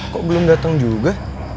kok belum datang juga